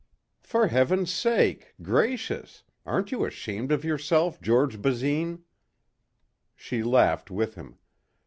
"For heaven's sake! Gracious! Aren't you ashamed of yourself, George Basine!" She laughed with him.